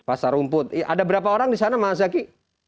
pasar rumput ada berapa orang di sana mas zaky